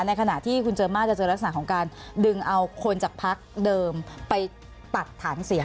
ในขณะที่คุณเจอมาสจะเจอลักษณะของการดึงเอาคนจากพักเดิมไปตัดฐานเสีย